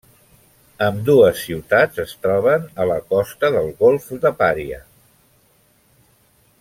Ambdues ciutats es troben a la costa del golf de Paria.